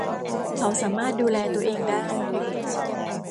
เขาสามารถดูแลตัวเองได้